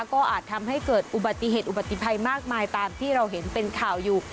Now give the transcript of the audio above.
ก็อาจทำให้เกิดอุบัติเหตุอุบัติภัยมากมายตามที่เราเห็นเป็นข่าวอยู่